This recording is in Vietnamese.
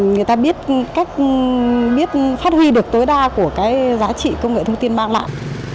người ta biết phát huy được tối đa của cái giá trị công nghệ thông tin mang lại